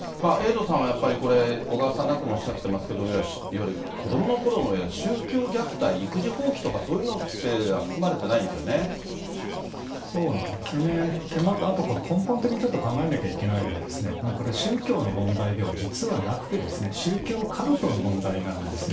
エイトさんはやっぱり、小川さんなんかもおっしゃってますけれども、いわゆる子どものころの宗教虐待、育児放棄とか、そういそうなんですよね、またあとこれ、根本的にちょっと考えなきゃいけないのは、これ、宗教の問題では実はなくて、宗教カルトの問題なんですよ。